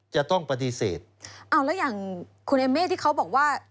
จะต้องปฏิเสธเอาแล้วอย่างคุณเอเม่ที่เขาบอกว่า